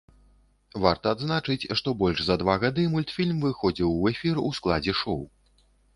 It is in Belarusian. Варта адзначыць, што больш за два гады мультфільм выходзіў у эфір у складзе шоў.